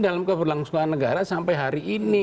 dalam keberlangsungan negara sampai hari ini